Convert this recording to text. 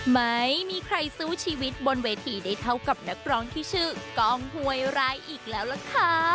ไม่มีใครสู้ชีวิตบนเวทีได้เท่ากับนักร้องที่ชื่อกล้องหวยร้ายอีกแล้วล่ะค่ะ